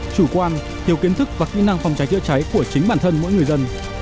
chủ quan thiếu kiến thức và kỹ năng phòng cháy chữa cháy của chính bản thân mỗi người dân